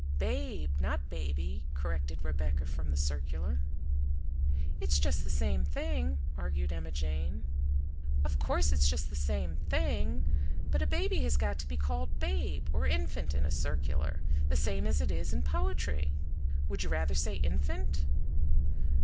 "BABE, not baby," corrected Rebecca from the circular. "It's just the same thing," argued Emma Jane. "Of course it's just the same THING; but a baby has got to be called babe or infant in a circular, the same as it is in poetry! Would you rather say infant?"